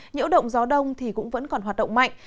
nhiễu động gió đông thì cũng vẫn còn hoạt động mạnh